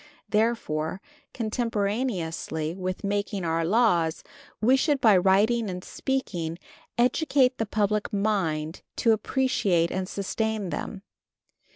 Therefore, contemporaneously with making our laws, we should by writing and speaking educate the public mind to appreciate and sustain them.